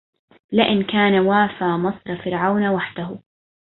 لئن كان وافى مصر فرعون وحده